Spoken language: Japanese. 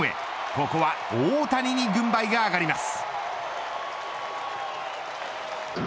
ここは大谷に軍配が上がります。